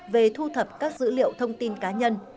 cung thập các dữ liệu thông tin cá nhân